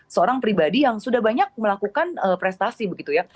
seorang pribadi yang sudah banyak melakukan prestasi begitu ya